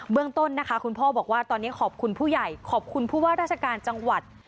เรื่องต้นนะคะคุณพ่อบอกว่าตอนนี้ขอบคุณผู้ใหญ่ขอบคุณผู้ว่าราชการจังหวัด